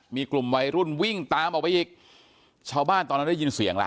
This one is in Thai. มีกลุ่มวัยรุ่นวิ่งตามออกไปอีกชาวบ้านตอนนั้นได้ยินเสียงล่ะ